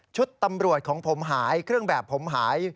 ตำรวจของผมหายเครื่องแบบผมหาย